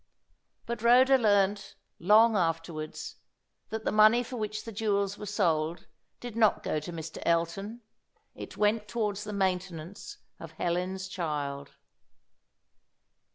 But Rhoda learnt, long afterwards, that the money for which the jewels were sold did not go to Mr. Elton. It went towards the maintenance of Helen's child.